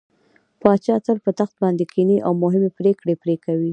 پاچا تل په تخت باندې کيني او مهمې پرېکړې پرې کوي.